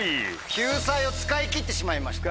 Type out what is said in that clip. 救済を使い切ってしまいました。